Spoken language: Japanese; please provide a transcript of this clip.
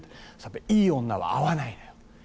いい女は会わないのよ。